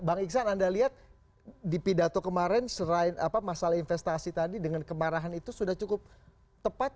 bang iksan anda lihat di pidato kemarin masalah investasi tadi dengan kemarahan itu sudah cukup tepat